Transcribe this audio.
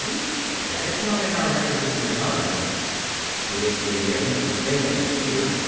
That is not in our records of your time!_" He listened again to the thing at his ear.